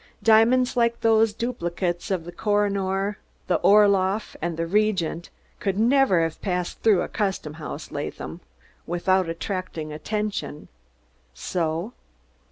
"Diamonds like dose dupligates of der Koh i noor, der Orloff und der Regent could never haf passed through der Custom House, Laadham, mitoud attracting attention, so?"